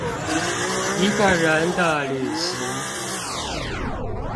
一個人的旅行